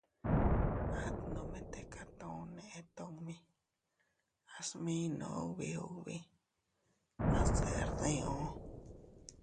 At nome tika tun neʼe tummi, a sminoo ubi ubi, at deʼer diu.